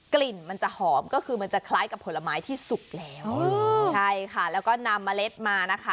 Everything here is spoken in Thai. กลิ่นมันจะหอมก็คือมันจะคล้ายกับผลไม้ที่สุกแล้วใช่ค่ะแล้วก็นำเมล็ดมานะคะ